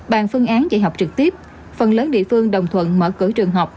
bàn phương án dạy học trực tiếp phần lớn địa phương đồng thuận mở cửa trường học